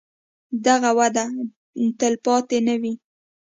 دغه وده تلپاتې نه وي.